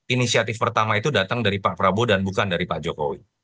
inisiatif pertama itu datang dari pak prabowo dan bukan dari pak jokowi